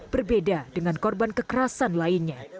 berbeda dengan korban kekerasan lainnya